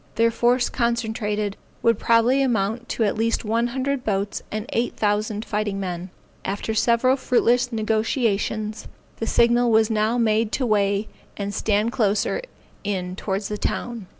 Their force concentrated, would probably amount to at least one hundred boats and eight thousand fighting men. After several fruitless negociations, the signal was now made to weigh, and stand closer in towards the town.